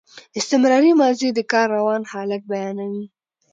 استمراري ماضي د کار روان حالت بیانوي.